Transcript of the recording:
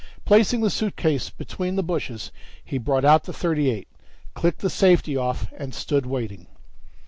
Placing the suitcase between the bushes, he brought out the .38, clicked the safety off and stood waiting.